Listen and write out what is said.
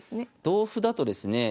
同歩だとですね